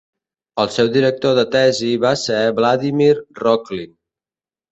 El seu director de tesi va ser Vladimir Rokhlin.